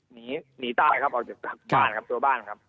หนีหนีตายครับออกจากบ้านครับตัวบ้านครับ